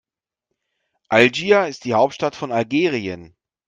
Algier ist die Hauptstadt von Algerien.